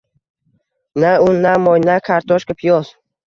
Na un, na moy, na kartoshka-piyoz